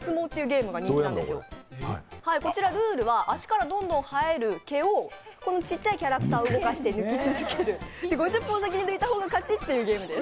こちらルールは足からどんどん生える毛をこのちっちゃいキャラクターを動かして抜き続ける５０本、先に抜いた方が勝ちというゲームです。